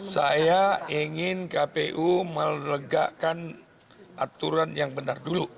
saya ingin kpu melegakan aturan yang benar dulu